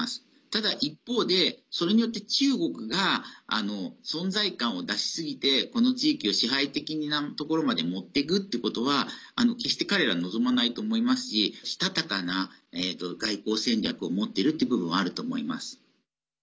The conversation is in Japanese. ただ、一方でそれによって中国が存在感を出しすぎてこの地域を支配的なところまで持っていくということは決して彼らは望まないと思いますししたたかな外交戦略を持っているという部分はあると思います。